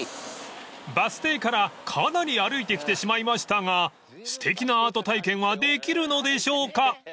［バス停からかなり歩いてきてしまいましたがすてきなアート体験はできるのでしょうか］